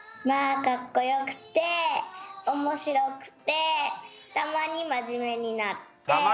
まあかっこよくて面白くてたまに真面目になって。